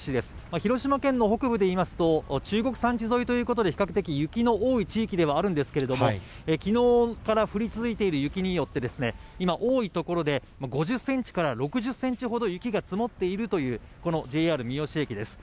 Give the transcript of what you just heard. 広島県の北部でいいますと、中国山地沿いということで、比較的雪の多い地域ではあるんですけれども、きのうから降り続いている雪によって、今、多い所で５０センチから６０センチほど雪が積もっているという、このＪＲ三次駅です。